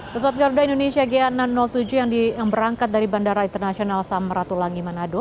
pesawat garuda indonesia ga enam ratus tujuh yang berangkat dari bandara internasional samratulangi manado